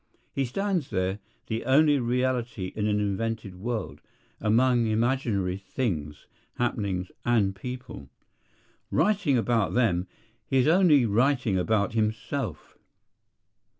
He stands there, the only reality in an invented world, among imaginary things, happenings, and people. Writing about them, he is only writing about himself.